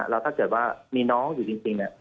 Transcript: แล้วถ้าเกิดว่ามีน้องอยู่จริง